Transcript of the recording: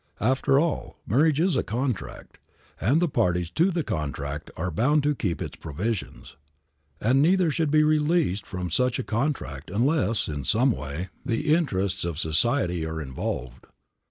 After all, marriage is a contract, and the parties to the contract are bound to keep its provisions; and neither should be released from such a contract unless, in some way, the interests of society are involved.